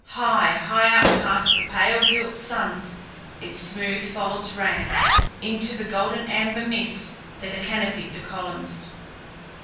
High, high up past the pale gilt suns its smooth folds ran, into the golden amber mist that canopied the columns.